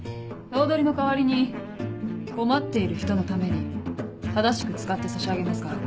頭取の代わりに困っている人のために正しく使ってさしあげますから。